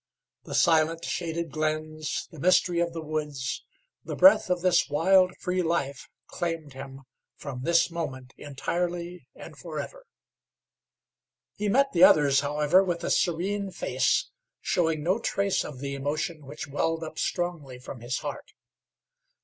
The silent, shaded glens, the mystery of the woods, the breath of this wild, free life claimed him from this moment entirely and forever. He met the others, however, with a serene face, showing no trace of the emotion which welled up strongly from his heart.